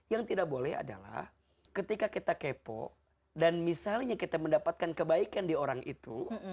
yang tidak boleh adalah ketika kita kepo dan misalnya kita mendapatkan kebaikan di orang itu